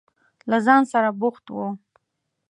له ځان سره بوخت و.